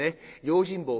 用心棒